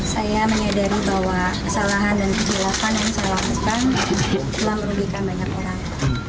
saya menyadari bahwa kesalahan dan kejelasan yang saya lakukan telah merugikan banyak orang